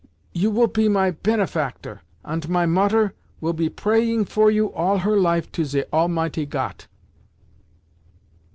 You will pe my penefactor, ant my Mutter will be praying for you all her life to ze Almighty Got!